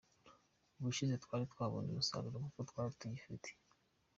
Ubushize twari twabonye umusaruro kuko twari tuyifite.